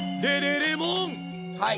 はい。